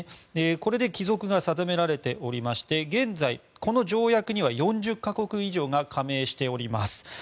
これで帰属が定められておりまして現在、この条約には４０か国以上が加盟しております。